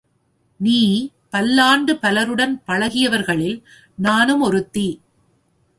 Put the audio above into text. நீ, பல்லாண்டு பலருடன் பழகியவர்களில் நானும் ஒருத்தி.